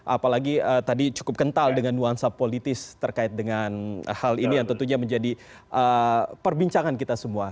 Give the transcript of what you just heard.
apalagi tadi cukup kental dengan nuansa politis terkait dengan hal ini yang tentunya menjadi perbincangan kita semua